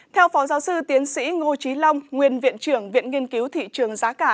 theo phó giáo sư tiến sĩ ngô trí long nguyên viện trưởng viện nghiên cứu thị trường giá cả